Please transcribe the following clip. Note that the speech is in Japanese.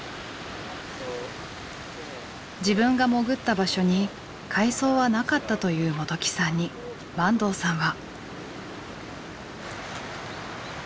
自分が潜った場所に海藻はなかったという元起さんに坂東さんは。